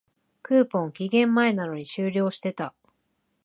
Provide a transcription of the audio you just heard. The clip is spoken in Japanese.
クーポン、期限前なのに終了してた